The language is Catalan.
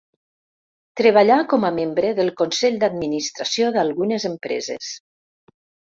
Treballà com a membre del Consell d'Administració d'algunes empreses.